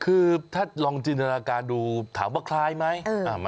คือถ้าลองจินตนาการดูถามว่าคล้ายไหม